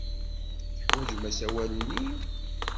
Teḥwajem asawal-nni?